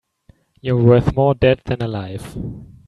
You're worth more dead than alive.